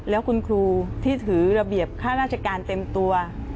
แล้วคุณครูที่ถือระเบียบค่าราชการเต็มตัว